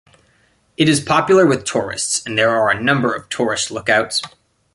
It is popular with tourists, and there are a number of tourist lookouts.